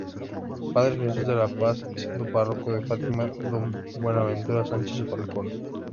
Padre Jesús de la Paz, siendo párroco de Fátima Don Buenaventura Sánchez Falcón.